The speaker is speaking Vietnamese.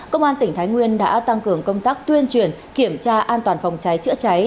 công an tỉnh thái nguyên đã tăng cường công tác tuyên truyền kiểm tra an toàn phòng cháy chữa cháy